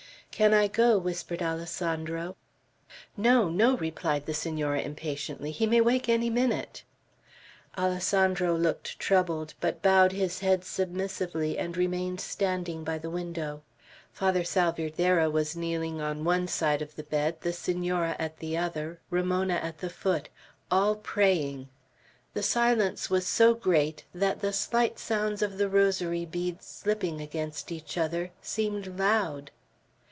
"Can I go?" whispered Alessandro. "No, no." replied the Senora, impatiently. "He may wake any minute." Alessandro looked troubled, but bowed his head submissively, and remained standing by the window. Father Salvierderra was kneeling on one side of the bed, the Senora at the other, Ramona at the foot, all praying; the silence was so great that the slight sounds of the rosary beads slipping against each other seemed loud.